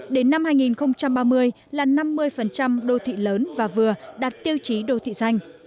đến năm hai nghìn ba mươi là năm mươi đô thị lớn và vừa đạt tiêu chí đô thị xanh